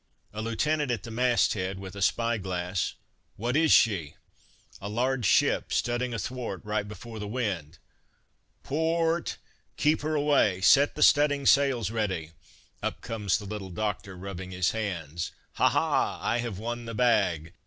A lieutenant at the mast head, with a spy glass, "What is she?" "A large ship studding athwart right before the wind. P o r t! Keep her away! set the studding sails ready!" Up comes the little doctor, rubbing his hands; "Ha! ha! I have won the bag."